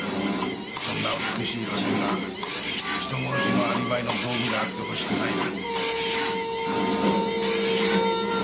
そんな美しい路線が人殺しのアリバイの道具であってほしくないな。